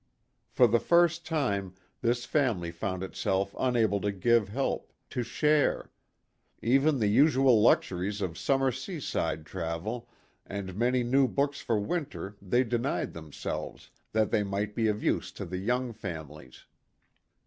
For the first time this family found itself unable to give help to share ; even the usual luxuries of summer sea side travel and many new books for winter they denied themselves that they might be of use to the young families.